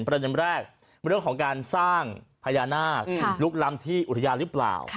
ประเด็นแรกเมื่อเรื่องของการสร้างพญานาคบุรุกรำที่อุทยานรึเปล่า